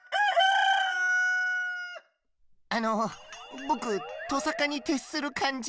あのぼくとさかにてっするかんじ？